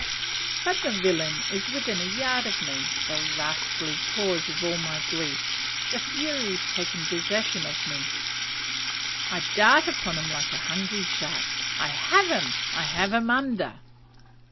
But the villain is within a yard of me the rascally cause of all my grief. The furies take possession of me! I dart upon him like a hungry shark! I have him! I have him under!